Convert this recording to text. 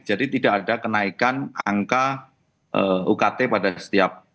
jadi tidak ada kenaikan angka ukt pada setiap tahun